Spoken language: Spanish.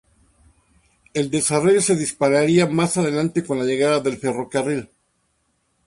El desarrollo se dispararía más adelante con la llegada del ferrocarril.